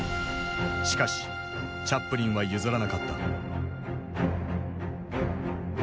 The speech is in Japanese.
しかしチャップリンは譲らなかった。